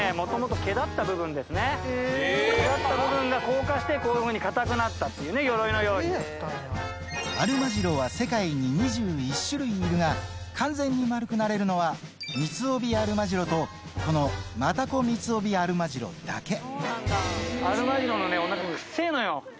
毛だった部分が硬化して、こういうふうに硬くなったっていう、アルマジロは世界に２１種類いるが、完全に丸くなれるのはミツオビアルマジロと、このマタコミツオビアルマジロのおなか、臭いのよ。